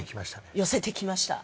寄せてきました。